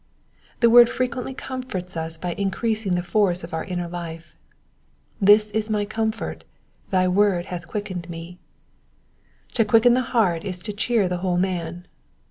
The word frequently comforts us by increasing the forcfr of our inner life : "this is my comfort; thy word hath quickened me." To quicken the heart is to cheer the whole man.